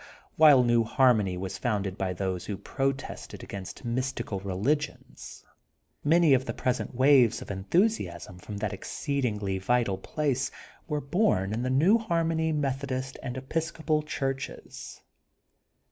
While New Harmony was founded by those who protested against mystical religion, many of the present waves of enthusiasm from that exceedingly vital place were bom in the New Harmony Methodist and Epis copal churches.